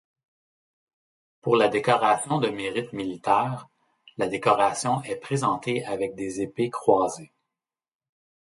Pour la décoration de mérite militaire, la décoration est présentée avec des épées croisées.